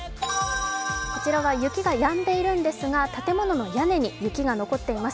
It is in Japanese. こちらは雪がやんでいるんですが建物の屋根に雪が残っています。